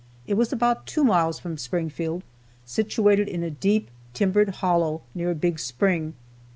It was about two miles from Springfield, situated in a deep, timbered hollow, near a big spring.